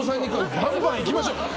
バンバンいきましょう。